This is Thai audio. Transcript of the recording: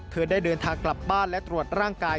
ได้เดินทางกลับบ้านและตรวจร่างกาย